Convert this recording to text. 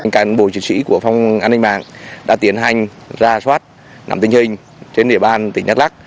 cảnh bộ trực sĩ của phòng an ninh mạng đã tiến hành ra soát nằm tình hình trên địa bàn tỉnh đắk lắk